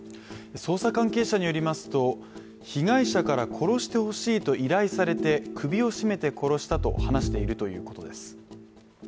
捜査関係者によりますと、被害者から殺してほしいと依頼されて首を絞めて殺したと話しているということです